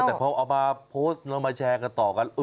แต่พอเอามาโพสต์เอามาแชร์กันต่อกัน